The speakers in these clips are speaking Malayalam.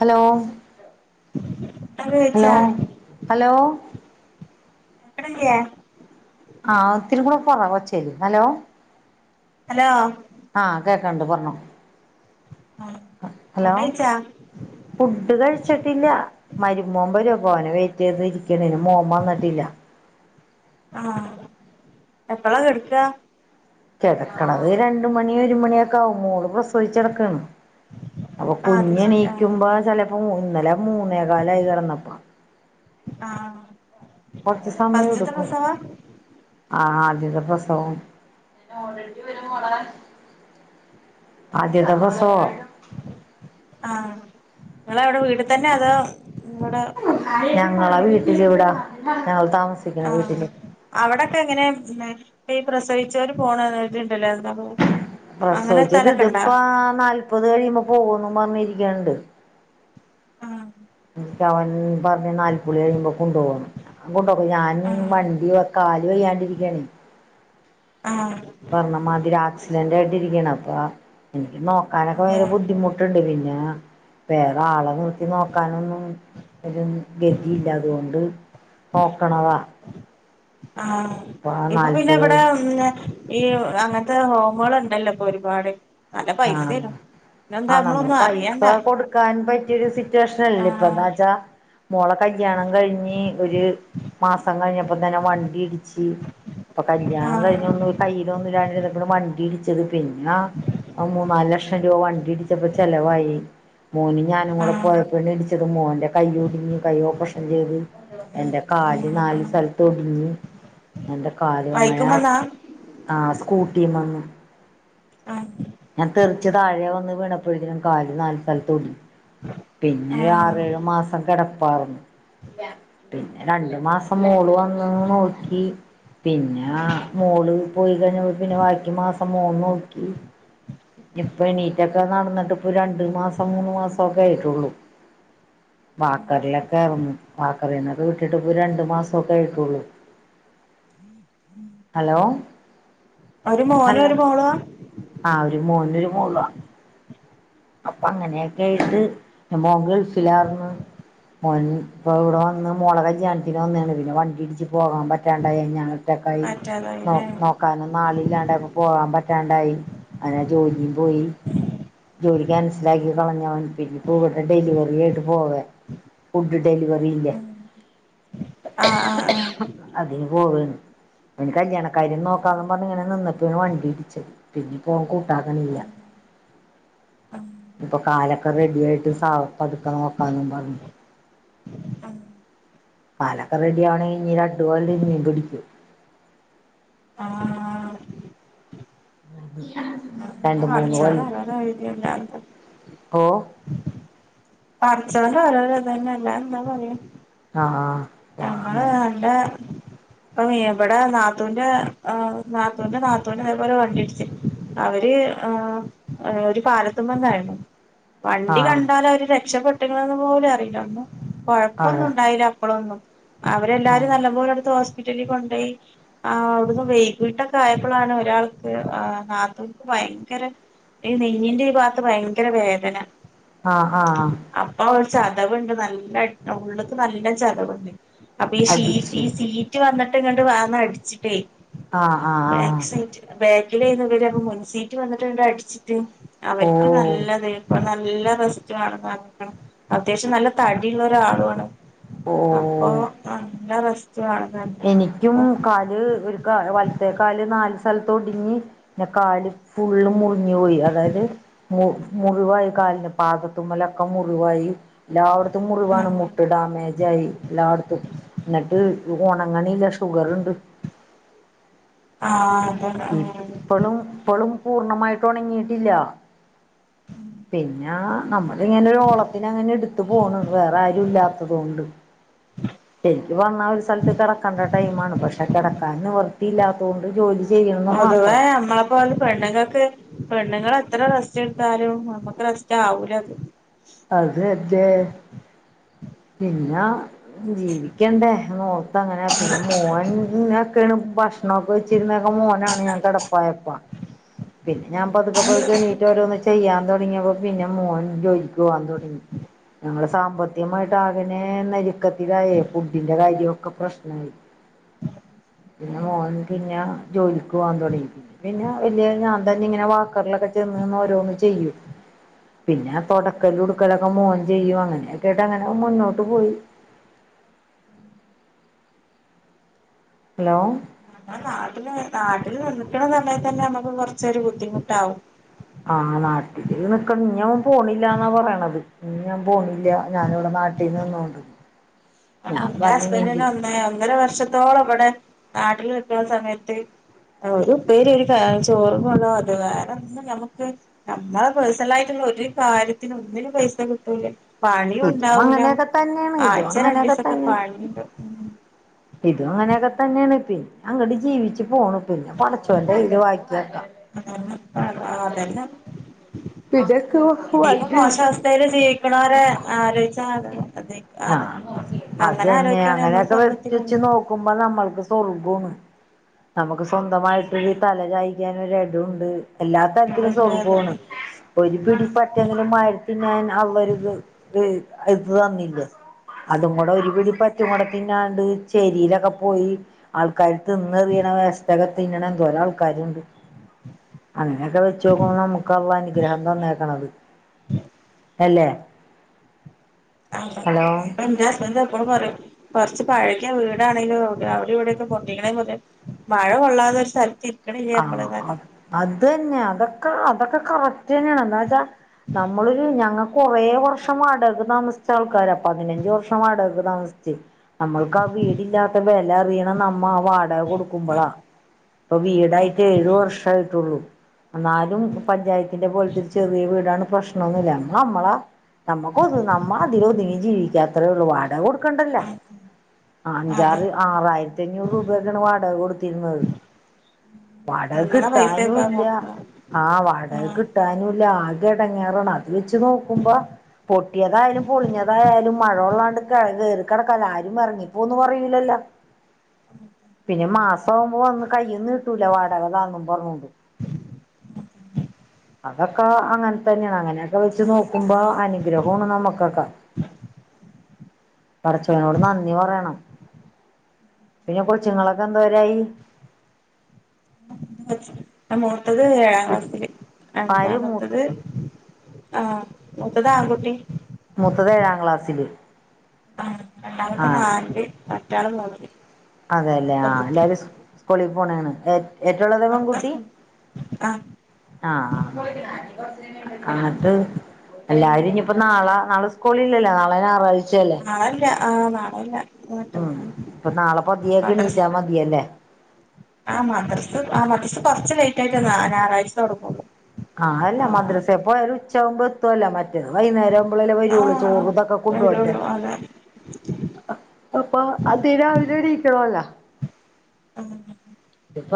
ഹലോ ഫുഡൊക്കെ ഹലോ കഴിച്ചാ ഹലോ കേക്കണ്ണില്ലേ ആഹ് ഒത്തിരി കൂടെകൊറവച്ചേല് ഹലോ ഹലോ ആഹ് കേക്കണ്ട് പറഞ്ഞോ ആഹ് ഹലോ ഫുഡഴിച്ചാ ഫുഡ് കഴിച്ചിട്ടില്ല മരുമോൻ വരും പ്പോ ഓനെ വെറ്റ്യ്ത് ഇരിക്കണന് മോൻ വന്നിട്ടില്ല ആഹ് എപ്പളാ കെടക്ക കിടക്കണത് രണ്ട് മണി ഒരു മണിയൊക്ക ആവും മോള് പ്രസവിച് കെടക്കാണ് അപ്പൊ ആഹ് അത് ശരി ആഹ് കുഞ്ഞ്ണീക്കുമ്പോ ചെലപ്പോ ഇന്നലെ മൂന്നേകാലായി കെടന്നപ്പ ആഹ് കൊറച്ച് സമയം ഫസ്റ്റ്ത്തെ എടുക്കും പ്രസവാ ആഹ് ആദ്യത്തെ പ്രസവോം ഇത് നിന്റെ മോളാ ആദ്യത്തെ പ്രസവൊ ആഹ് നിങ്ങളെവിടെ വീട്ടിതന്നെ അതോ നിങ്ങടെ ഞങ്ങളാ വീട്ടിലിവിടാ ഞങ്ങൾ താമസി ആഹ് അവിടൊക്കെ എങ്ങനെ ഇപ്പ ഈ പ്രസവിച്ചവര് പോണന്ന്ട്ടുണ്ടല്ലോ എന്താ പോ പ്രസവിച്ചത് ഇതിപ്പോ നാല്പത് കഴിമ്പോ പോവെന്നും പറഞ്ഞിരിക്കണ്ട് ആഹ് ഇക്ക അവൻ പറഞ്ഞ് നാല്പ്പുളി കഴിയുമ്പോ കൊണ്ടുപോണം കൊണ്ടോക്കൊ ഞാൻ ആഹ് വണ്ടി വ കാല് വയ്യാണ്ടിരിക്കണേ ആഹ് പറണമാതിരി ആക്സിഡന്റ് ആയിട്ടിരിക്കാണ് അപ്പ എനിക്ക് നോ ക്കാനൊക്കെ ഭയങ്കര അതെ ബുദ്ധിമുട്ടുണ്ട് പിന്നെ വേറെ ആളെ നിർത്തി നോക്കാനൊന്നും ഒരു ഗതിയില്ല അതുകൊണ്ട് നോക്കണതാ ആഹ് ഇപ്പ ഇപ്പൊ പിന്നെ നാല്പത് എവിടെ ഉണ്ടെ ഈ അങ്ങനത്തെ ഹോമുകളുണ്ടല്ലോ ഇപ്പൊ ഒരുപാട് പൈസനു ആഹ് നമ്മള് പൈസ കൊടുക്കാൻ പറ്റിയൊരു സിറ്റുവേഷൻ അല്ല ഇപ്പൊ ആഹ് എന്താ വച്ചാ മോളെ കല്യാണം കഴിഞ്ഞ് ഒരു മാസം കഴിഞ്ഞപ്പ തന്നെ വണ്ടി ഇടിച്ച് അപ്പൊ കല്യാണം ആഹ് കഴിഞ്ഞ് ഒന്ന് കയിലൊന്നുരണ്ടിരുന്നപ്പളും വണ്ടി ഇടിച്ചത് പിന്ന മൂന്നാല് ലക്ഷം രൂപ വണ്ടി ഇടിച്ചപ്പോ ചെലവായി മോന് ഞാനും കൂടെ ആഹ് പോയപ്പണ് ഇടിച്ചത് മോന്റെ കൈ ഒടിഞ്ഞു കൈ ഓപ്പറേഷൻ ചെയ്തു എന്റെ കാല് ആഹ് നാല് ആഹ് സ്ഥലത്തോടി പിന്നെ എന്റെ കാലും അങ്ങനെ ബൈക്കും വന്നാ ആഹ് സ്കൂട്ടിമെന്നും ആഹ് ഞാൻ തെറ്ച് താഴെ വന്ന് വീണപ്പോയേകിനും കാല് നാല് സ്ഥലത്ത് ഒടിഞു പിന്നെ ആഹ് ആറേഴു മാസം കെടപ്പാർന്നു പിന്നെ രണ്ടു മാസം മോള് വന്ന്ന്ന് നോക്കി പിന്നാ മോള് പോയി കഴിഞ്ഞപ്പൊ പിന്നെ ബാക്കി മാസം മോൻ നോക്കി ഇപ്പ എണീറ്റൊക്കെ നടന്ന്ട്ട് ഇപ്പൊ രണ്ടു മാസം മൂന്ന് മാസം ഒക്കെ ആയിട്ടൊള്ളൂ വാക്കറിലൊക്കെ ഉം വാക്കറിന്നൊക്കെ വിട്ടിട്ട് ഇപ്പൊ രണ്ട് മാസൊക്കെ ആയിട്ടൊള്ളൂ [inaudible] ഹലോ ഒരുമോനും മോളുവ ആഹ് ഒരു മോനൊരു മോളു ആ അപ്പ അങ്ങനെയെക്കെ ആയിട്ട് മോൻ ഗൾഫിലാർന്നു മോന് ഇപ്പ ഇവടെ വന്ന് മോളകല്യാണത്തിന് വന്നാണ് പിന്നെ വണ്ടി ഇട്ച്ച് പോകാൻ പറ്റാണ്ടായ്ഞാ സ്റ്റാക്കായി നോ പറ്റാതായില്ലേ നോ ക്കാനൊന്നും ആളില്ലാണ്ടായപ്പൊ പോകാൻ പറ്റാണ്ടായി അങ്ങനെ ജോലിം പോയി ജോലി ക്യാൻസലാക്കി കളഞ്ഞവൻ പിന്നെ ഇപ്പൊ ഇവിടെ ഡെലിവറി ആയിട്ട് പോവെ ഫുഡ് ഡെലിവറി ഇല്ലേ ആഹ് ആഹ് ആഹ് അതിന് പോകാണ് അവന് കല്യാണക്കാര്യം നോക്കാന്നും പറഞ് ഇങ്ങനെ നിന്നപ്പേണ് വണ്ടി ഇട്ച്ചത് പിന്നിപ്പോൻ കൂട്ടാകണില്ല ഇപ്പൊ കാലൊക്കെ റെഡിയായിട്ട് സാവ് പതുക്ക നോക്കാന്നും പറഞ്ഞു കാലൊക്ക റെഡി ആവണെ ഇഞ്ഞി രണ്ട് കൊല്ലം ഇഞ്ഞി പിടിക്കും ആഹ് ആഹ് [unintelligible] പിന്നെ പടചോന് കൊല്ലം ഹലാലായത് എല്ലാവർക്കും ഓ പടച്ചോന് ഓരോരതന്നെ അല്ലാ എന്താ പറയാ ആഹ് ആഹ് ഞങ്ങള് അങ്ങനെ നല്ല ഇപ്പൊ മീന് ഇവടെ നാത്തൂന്റെ നാത്തൂന്റെ നാത്തൂനെ ഇതേപോലെ വണ്ടി ഇട്ച് അവര് ആഹ് ഒരു പാലത്ത്മ്മന്നായിരുന്നു വണ്ടി ആഹ് കണ്ടാലവര് രക്ഷപെട്ട്ക്ക്ന്ന് പോലും അറില്ലന്ന് കൊഴപ്പൊന്നും അതെ ഉണ്ടായില അപ്പളൊന്നും ആഹ് അവരെല്ലാരും നല്ലപോലെട്ത്ത് ഹോസ്പിറ്റലിൽ കൊണ്ടോയി ആഹ് അവ്ട്ന്ന് വൈകീട്ടൊക്കെ ആയപ്പൊളാണ് ഒരാൾക്ക് ആ നാത്തൂൻക്ക് ഭയങ്കര ഈ നെഞ്ഞിന്റെ ഈ ഭാഗത്ത് ഭയങ്കര വേദന ആഹ് ആഹ് ആഹ് അപ്പൊ ചതവ്ണ്ട് നല്ല ഉള്ള്ക്ക് നല്ല ചതവ്ണ്ട് അപ്പൊ ഈ ശീ അടിച്ച് ഈ സീറ്റ് വന്ന്ട്ട് ഇങ്ങണ്ട് വാന്നട്ച്ട്ടേ ആഹ് ആഹ് ബേക്ക് ആഹ് സീറ്റ് ബേക്കിലേന്നു ഇവർ മുൻസീറ്റ് വന്നിട്ട്ങ്ങണ്ട് അട്ച്ട്ട് ഓ അവർക്ക് ന നല്ലതേര്ന്നു നല്ല റെസ്റ്റ് വാണെന്ന് പർഞ്ക്ക്ണ് അത്യാവശ്യം നല്ല തടിള്ള ഒരാളു വാണ് അപ്പൊ ഓ നല്ല റെസ്റ്റ് വാണം എനിക്കും കാല് ഒരു കാ വലത്തേ കല് നാല് സ്ഥലത്ത് ഒടിഞ് പിന്നെ കാല് ഫുള്ള് മുറിഞ്ഞു പോയി അതായത് മു മുറിവായി കാലിന് പാതത്ത്മ്മലൊക്കെ മുറിവായി എല്ലാട് ത്തും മുറവാണ് മുട്ട് ഡാമേജായി എല്ലാട്ത്തും ഇന്ന്ട്ട് ഓണങ്ങണില്ല ഷുഗർണ്ട് ആഹ് അതെന്നെ ഇപ്പളും പ്പളും പൂർണ്ണമായിട്ട് ഉണങ്ങിട്ടില്ല പിന്നെ നമ്മളിങ്ങനെരു ഓളത്തിന അങ്ങനെ ഇട്ത്ത് പോണ് വേറെ ആരും ഇല്ലാത്തതോണ്ട് ശെരിക്ക് പറഞ്ഞാ ഒരു സ്ഥലത്ത് കടക്കേണ്ട ടൈം ആണ് പക്ഷെ കടക്കാൻ നിവർത്തിയില്ലാത്തതോണ്ട് ജോലി ചെയ്യുന്നു മാത്രം അപ്പൊ അത് പെണ്ണുങ്ങൾക്ക് പെണ്ണുങ്ങൾ എത്ര റസ്റ്റ് എടുത്താലും നമ്മുക്ക് റസ്റ്റാവൂല അത് അത് തന്നെ പിന്ന ജീവിക്കണ്ടേ നോർത്തങ്ങനെ പിന്നെ മോൻ ഇനൊക്കെയാണ് ഭക്ഷണൊക്കെ വെച്ചിരുന്നക്കെ മോനാണ് ഞാൻ കിടപ്പായപ്പ പിന്നെ ഞാൻ പതുക്കെ പതുക്കെ എണീറ്റ് ഓരോന്ന് ചെയ്യാൻ തുടങ്ങിയപ്പോ പിന്നെ മോൻ ജോലിക്ക് പോയി പോവാൻ തുടങ്ങി ഞങ്ങള് സാമ്പത്തികമായിട്ട് അകനെ നെരുക്കത്തിലായേ ഫുഡിന്റെ കാര്യൊക്കെ പ്രശ്നമായി പിന്നെ മോൻ പിന്ന ജോലി ക്ക് പോകാൻ തുടങ്ങി പിന്നെ പിന്ന വലിയ ഞാൻ തന്നെ ഇങ്ങനെ വാക്കറിലൊക്ക നിന്ന് നിന്ന്ഓരോന്ന് ചെയ്യും പിന്നെ തൊട ക്കലും ഉടുക്കലൊക്കെ മോൻ ചെയ്യും അങ്ങനെയൊക്കെട്ട് അങ്ങനെ മുന്നോട്ട് പോയി ഹലോ എന്ന നാട്ടിൽ നാട്ടിൽ നിക്കണ സമയത്ത് തന്നെ നമുക്ക് കുറച്ചൊരു ബുദ്ധിമുട്ടാവും ആ നാട്ടില് നിക്കണ ഇനി അവൻ പോണില്ലാന്നാ പറയണത് ഇനി ഞാൻ പോണില്ല ഞാനിവിടെ നാട്ടീ ന്ന് നിന്നോണ്ട് ഞാൻ എന്റെ പറഞ്ഞ് ഹസ്ബൻഡ ഇ വന്നെ ഒന്നര വർഷ- എന്തോള അവിടെ നാട്ടിൽ നിക്ക്ണ സമയത്ത് ഒരുപ്പേരി ഒരു കറി ചോറും കൊണ്ടാവാൻ പറ്റുള്ളൂ, കാരണം [unintelligible] നമക്ക് നമ്മള പേഴ്സണൽ ആയിട്ടുള്ള ഒരു കാര്യത്തിനു ഒന്നിനും പൈസ കിട്ടൂല ഇതും പണിയുണ്ടാവൂല അങ്ങനെയൊക്കെ തന്നെയാണ് ഇതും ആഴ്ച രണ്ടു അങ്ങനെയൊക്കെ ദിവസൊക്കെ തന്നെ പണിയുണ്ടാവ മ് ഇതും അങ്ങനെയൊക്കെ തന്നെയാണ് പിന്നെ അങ്ങോട്ട് ജീവിച്ചു പോണ് പിന്നെ പടച്ചോന്റെ കയ്ൽ വായ് ക്കിയക്കാം അതല്ല ആ അതെന്നെ ഇതൊക്കെ [unintelligible] വഴി മോശാവസ്ഥയില് [unintelligible] ണവരെ ആലോചിച്ചാ അതെ ആഹ് [unintelligible] അങ്ങനെ ആലോചിക്കാണേൽ നമ്മൾ സ്വർഗത്തില് പോണം [unintelligible] നമ്മുക്ക് സ്വർഗ്ഗ ാണ് നമുക്ക് സ്വന്തമായിട്ട് ഒരു തല ചായിക്കാൻ ഒരു ഇടുണ്ട്. എല്ലാ തരത്തിലും ഇവിടെണ്ട് സ്വർഗ്ഗാണ്. ഒരു പിടി പറ്റെങ്കിലും മഴത്തിന്നാൻ അള്ളെരു ഹ് ഹ് ഇത് തന്നില്ലേ അതും കൂടെ ഒരുപിടി പച്ചമുടത്തിന്നാണ്ട് ചേരിയിലൊക്കെ പോയി ആൾക്കാർ തിന്ന് എറീണ വേസ്റ്റൊക്കെ തിന്നണ എന്തോരാൾക്കാരുണ്ട്. അങ്ങനെയൊക്കെ വെച്ചു നോക്കുമ്പൾ നമുക്കു അള്ള അനുഗ്രഹം തന്നേക്കണത് അല്ലേ അതെ ഹലോ എൻ്റെ ഹസ്ബൻ്റ് എപ്പളും പറിം കുറച്ച് പഴകിയ വീടാണെങ്കിലും അവിടെ ഇവിടൊക്കെ പൊട്ടീക്കണേ മുതൽ മഴ കൊള്ളാതെ ഒരു സ്ഥലത്തി ആ അത് തന്നെഅതൊക്കെ അതൊക്കെ കറക് റ്റന്നാണ് എന്ന് വെച്ചാ നമ്മളില് ഞങ്ങള്ക്ക കൊറേ വർഷം വാടകക്ക് താമസിച്ച ആൾക്കാരാ പതിനഞ്ച് വർഷം വാടകക്ക് താമസിച്ച്. നമ്മൾക്ക് ആ വീടില്ലാത്ത വില അറിയണം നമ്മ ആ വാടക കൊടുക്കുമ്പോളാ. ഇപ്പൊ വീട് ടായിട്ട് ഏഴു വർഷായിട്ടേയുള്ളൂ. എന്നാലും പഞ്ചായത്തിന്റെ പോലത്തെ ചെറിയ വീടാണ് പ്രശ്നന്നുല്ല നമ്മള നമ്മള നമ്മുക്ക് അത് നമ്മൾ അതിലെതിങ്ങി ജീവിക്കാ അത്ര ഉള്ളു. വാടക കൊടു ണ്ടല്ല അതെ അഞ്ചാറ് ആറായിരത്തി അഞ്ഞൂറ് രൂപക്കാണ് വാടക കൊടുത്തിരുന്നത്. വാടകക്ക് തിന്നണ കിട്ടാനും പൈസയൊക്കെ ഇല്ല കൊടുക്കണം ആ വാടകക്ക് ആഹ് കിട്ടാനുംല്ല ആകെ എടങ്ങാറാണ് അത് വെച്ച് നോക്കുമ്പോ പൊട്ടിയതായാലും പൊളി ഞ്ഞതായാലും മഴൊള്ളാണ്ട് ക കയറി കിടക്കല്ല ആരും ഇറങ്ങിപ്പോന്നും പറയൂലല്ലോ [inaudible] പിന്നെ മാസമാകുമ്പോ വന്ന് കയ്യിന്ന് കിട്ടൂല വാടകതാന്നും പറഞ്ഞോണ്ട്. [inaudible] അതൊക്കെ അങ്ങനെ തന്നെയാണ് അങ്ങനെയൊക്കെ വെച്ച് നോക്കുമ്പോ അനുഗ്രഹാണ് നമുക്കൊക്കെ [inaudible] പടച്ചോനോട് നന്ദി പറയണം പിന്നെ കൊച്ച്ങ്ങളൊക്കെ എന്തോരായി? മൂത്തത് ഏഴാം കു ക്ലാസില് ആര് രണ്ടാമത്തത് മൂത്ത ആ മൂത്തത് ആൺകുട്ടി മുത്തത് ഏഴാം ക്ലാസ്സില് ആ രണ്ടാമത്തെ ആഹ് നാലില് മറ്റേആള് മൂന്നില് അതെല്ലേ ആ പെൺകുട്ടി എല്ലാരും സ് സ്കൂളിൽ പോണാണ് ഏ ഏറ്റുളെതാ ഒക്കെ പെൺകുട്ടി സ്കൂൾ ആഹ് അഹാ അത് എല്ലാരും ഇനിയിപ്പോ നാളാ നാളെ സ്കൂളില്ലല്ലാ നളെ ഞാറാഴ് നാളെല്ലാ ആഹ് നാളെല്ലാ മറ്റന്നാള് വേഗെണീറ്റാ മതിയല്ലേ ആഹ് മദ്രസ് ആഹ് മദ്രസ് കൊറച്ച് ലേയിറ്റായിട്ടാ നാ ഞായറാഴ്ച തൊടങ്ങുള്ളൂ ആഹ് അല്ലാ മദ്രസ്സേ പോയാലും ഉച്ചാവുമ്പം എത്തുവല്ലോ മറ്റ് റ്റെത് വൈന്നേരം ആവുമ്പളല്ലേ വരുള്ളൂ ആഹ് ചോറുതൊക്കെ കൊണ്ടോണ്ടെ വരുള്ളൂ അതെ ആഹ് അപ്പൊ അതിരാവിലെ എണീക്കണവല്ലോ അതെന്നെ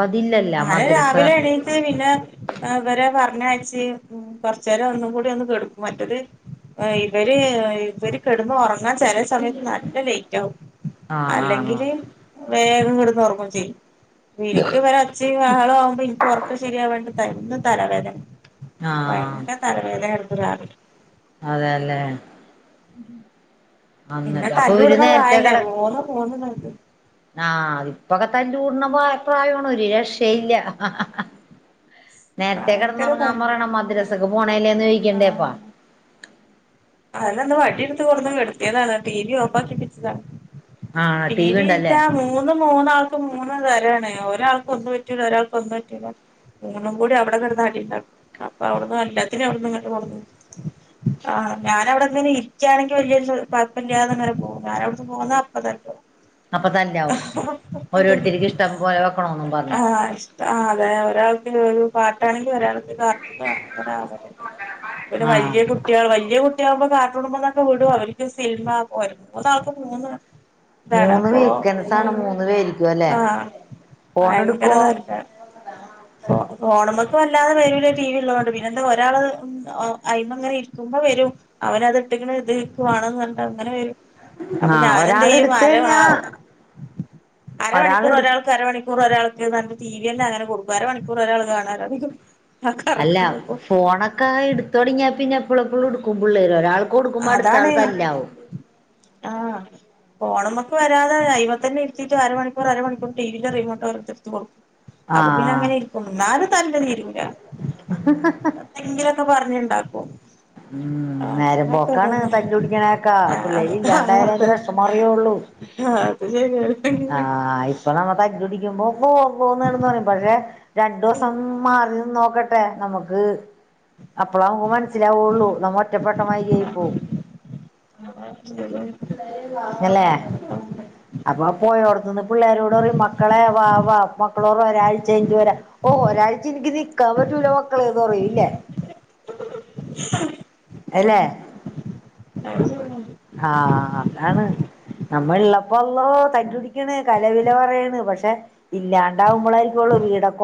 അതില്ലല്ല നാളെ മദ്രസ രാവിലെണീ ട്ട് പിന്നെ ഏഹ് ഇവരെ പറഞ്ഞയച്ച് കൊറച്ചേരം ഒന്നും കൂടി ഒന്ന് കെട്ക്കും മറ്റത് ഏഹ് ഇവര് ഇവര് കെടന്ന് ഒറങ്ങാൻ ചെലെ സമയത്ത് നല്ല ലേറ്റാകും ആ ആ അല്ലെങ്കില് വേഗം കെടന്നൊറങ് ചെയ്യും [unintelligible] ഒച്ചി ബഹളം ആകുമ്പോ ഇൻക്ക് ഒറക്കം ശരിയാവാണ്ട് എന്നും തലവേദന ആ ആ ഭയങ്കര തലവേദനെടുക്കും രാവിലെ അതെല്ലേ പിന്നെ അന്നിട്ട് അപ്പൊ ഒരു തല്ലൂടുന്ന നേരത്തെ പ്രായല്ലേ കിട മൂന്നും മൂന്ന് തരത്തില് ആഹ് അതിപ്പൊക്കെ തല്ലൂട്ന്ന പ്രാ പ്രായാണ് ഒരു രക്ഷയില്ലാ നേരത്തെ ഭയങ്കര കെടന്നൊറങ്ങാൻ തല്ല് പറയണം മദ്രസക്ക് പോണേയല്ലേന്ന് ചോയിക്കണ്ടേ അപ്പം അതന്നെ ഇന്ന് വടിയെടുത്ത് കൊടന്ന് കെട്ത്തിയതാണ് ടി വി ഓഫ് ആക്കിപ്പിച്ചതാ ടി വി [unintelligible] മൂന്നും മൂന്നാൾക്ക് മൂന്ന് തരാണ് ഒരാൾക്ക് ഒന്നു പറ്റൂലാ ഒരാൾക്ക് ഒന്നു പറ്റൂലാ ന്നും കൂടി അവിടെ കെടന്ന് അടിണ്ടാക്കും അപ്പൊ അവിട്ന്നും എല്ലാത്തിനിം അവിട്ന്ന് ഇങ്ങണ്ട് കൊടന്ന് ആഹ് ഞാനവിടെങ്ങനെ ഇരിക്കയാണെങ്കി വല്യ കൊയപ്പല്ലാതെ ഇങ്ങനെ പോകും ഞാനവ്ടന്ന് പോന്നാ അപ്പ തല്ല് അപ്പൊ തല്ലാവും [unintelligible] ഓരോരുത്തർക്ക് ഇഷ്ടം പോലെ വെക്കണോന്നും പറഞ്ഞ് ആഹ് ശരി ആഹ് അതെ ഒരാൾക്ക് ഒരു പാട്ടാണെങ്കി ഒരാൾക്ക് [unintelligible] ഇവര് ആഹ് വല്യ കുട്ട് കുട്ടികൾ വല്യ കുട്ടിയാകുമ്പോ കാർട്ടൂണ് മ്മ്ന്നൊക്കെ വിടും അവര്ക്ക് സിൽമാ മൂന്ന് ആൾക്കും മൂന്ന് മൂന്ന് ഇതാണപ്പൊ ഉം വീക്കൻസാണ് മൂന്ന് പേരിക്കും അല്ലെ ആഹ് ഫോൺ ഭയങ്കര എടുക്കുവോ തല്ലാണ് ഫോ ഫോണ് മ്മക്ക് വല്ലാതെ വെരൂലാ ടി വി ഇള്ളോണ്ട് പിന്നെ എന്താ ഒരാള് ഉം അ അയിമങ്ങനെ ഇരിക്കുമ്പോ വെരും അവനത് ഇട്ട്ക്ക്ണ് ഇൻ ഇൻക്ക് വാണന്ന് പറഞ്ഞിട്ട് അങ്ങനെ വെരും അപ്പൊ ആഹ് ഒരാള് ഞാനെന്തയ്യും എടുത്ത് അര കഴിഞ്ഞാ ആഹ് ഒരാള് അരമണിക്കൂർ എടു ഒരാൾക്ക് അരമണിക്കൂർ മണിക്കൂർ ഒരാൾക്ക്ന്ന് പറഞ്ഞിട്ട് ടി വി തന്ന അങ്ങനെ കൊടുക്കും അര മണിക്കൂറ് ഒരാൾക്ക് കാണാല്ലോ അല്ലാ ഫോണൊക്കെ എടുത്ത് തൊടങ്ങിയാ പിന്നെ എപ്പളും എപ്പളും എടുക്കും പിള്ളേര് ഒരാള് അതാണ് ആഹ് ഫോണുമ്മക്ക് വരാതെ ഐമത്തന്നെ ഇരുത്തീറ്റ് അരമണിക്കൂർ അരമണിക്കൂർ ടി വി ൻ്റെ റിമോട്ട് ഓരോര്ത്തെരെട്ത്ത് കൊടുക്കും അപ്പ പിന്നെ ആഹ് അങ്ങനെ ഇരിക്കും എന്നാലും തല്ല് തീരുലാ എന്തെങ്കിലൊക്കെ പറഞ്ഞ്ണ്ടാക്കും ഉം [unintelligible] ആഹ് അങ്ങനൊക്കെ നേരമ്പോക്കാണ് തന്നെ തല്ല് പിടിക്ക്ണയൊക്കാ ആഹ് അത് ആഹ് പിള്ളേരില്ലാണ്ടായാലെ അതിൻ്റെ അതെ വെഷമം അറിയോള്ളൂ ആഹ് അത് ശരിയാ [unintelligible] ഇപ്പൊ നമ്മ തല്ല് പിടിക്കുമ്പോ അള്ളോ അള്ളോ എന്ന് കെടന്ന് പറയും പക്ഷെ രണ്ടു ദിവസം മാറി നിന്ന് നോക്കട്ടെ നമുക്ക് അപ്പളാ നമുക്ക് മനസ്സ് മനസ്സിലാവോള്ളൂ നമ്മ ഒറ്റപ്പെട്ടമാതിരിയായി പോവും. എല്ലേ അപ്പൊ പോയോടത്തിന്ന് പിള്ളേരോട് പറയും മക്കളെ വാ വാ മക്കള് പറയും ഒരാഴ്ച കഴിഞ്ഞിട്ട് വരാം ഓഹ് ഒരാഴ്ച എനിക്ക് നിൽക്കാൻ പറ്റൂല മക്കളേന്ന് പറയും അല്ലേ അല്ലേ അത് അപ്പ ശരിയാണ് ആഹ് അതാണ് നമ്മ ഉള്ളപ്പോ അള്ളോ തല്ല് പിടിക്കണ് കലപില പറയണ് പക്ഷേ ഇല്ലാണ്ടാവുമ്പോളായിരിക്കും ഉള്ളൂ വീടൊ